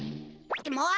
もう！